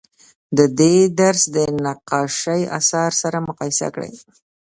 د دې درس د نقاشۍ اثار سره مقایسه کړئ.